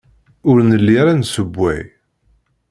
Ur nelli ara nessewway.